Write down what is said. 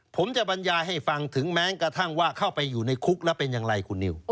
ผมจะบรรยายให้ฟังถึงแม้กระทั่งว่าเข้าไปอยู่ในคุกแล้วเป็นอย่างไรคุณนิว